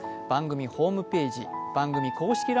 番組ホームページ、番組公式